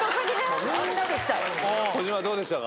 児嶋、どうでしたか。